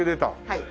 はい。